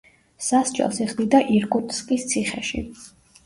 სასჯელს იხდიდა ირკუტსკის ციხეში.